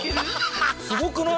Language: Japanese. すごくない？